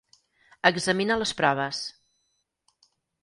Examina les proves.